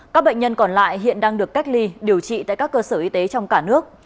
các bệnh nhân còn lại hiện đang được cách ly điều trị tại các cơ sở y tế trong cả nước